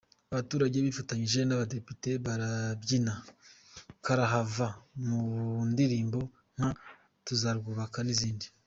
Abaturage bifatanyije n’abadepite barabyina karahava mu ndirimbo nka Tuzarwubaka n’izindi.